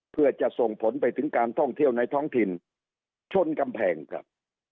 เพื่อจะส่งผลไปถึงการท่องเที่ยวในท้องถิ่นชนกำแพงครับ